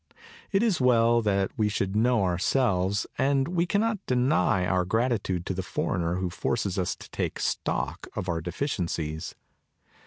It is well that we should know ourselves; and we cannot deny our gratitude to the foreigner who forces us to take stock of our deficiencies.